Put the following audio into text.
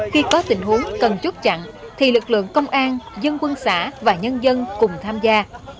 khi có tình huống cần chút chặn thì lực lượng công an dân quân xã và nhân dân cùng tham gia